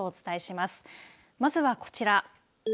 まずはこちら。